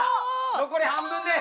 残り半分です！